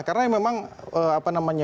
karena memang apa namanya